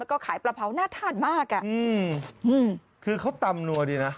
ก็ขายปลาเพราหน้าท่านมากอ่ะอืมคือเขาตำหัวดีนะ